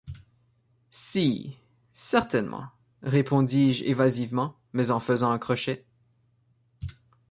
Si… certainement… répondis-je évasivement, mais en faisant un crochet.